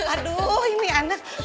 aduh ini anak